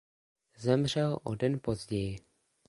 Zemřel o den později.